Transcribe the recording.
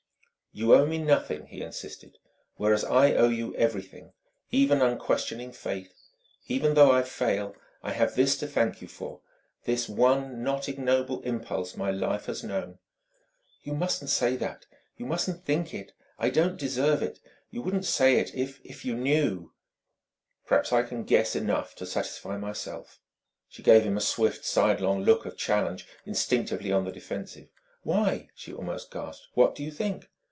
"You owe me nothing," he insisted; "whereas I owe you everything, even unquestioning faith. Even though I fail, I have this to thank you for this one not ignoble impulse my life has known." "You mustn't say that, you mustn't think it. I don't deserve it. You wouldn't say it if you knew " "Perhaps I can guess enough to satisfy myself." She gave him a swift, sidelong look of challenge, instinctively on the defensive. "Why," she almost gasped "what do you think